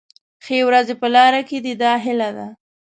ښې ورځې په لاره کې دي دا هیله ده.